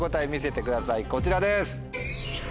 こちらです。